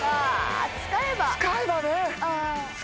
使えばね！